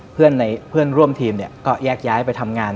เพื่อนร่วมทีมก็แยกย้ายไปทำงาน